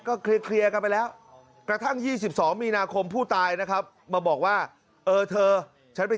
อันเนี่ยรูปที่โพสต์ลงไป